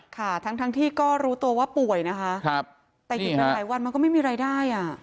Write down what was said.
ค่ะทั้งที่ก็รู้ตัวว่าป่วยนะคะแต่อยู่กันหลายวันมันก็ไม่มีรายได้อ่ะ